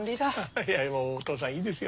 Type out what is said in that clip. いやもうお父さんいいですよ